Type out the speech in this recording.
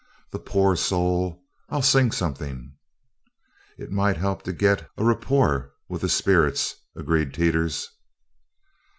"The po oo or soul! I'll sing something." "It might help to git ong rapport with the sperrits," agreed Teeters.